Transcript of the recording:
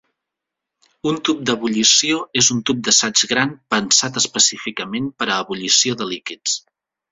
Un tub d'ebullició és un tub d'assaig gran pensat específicament per a ebullició de líquids.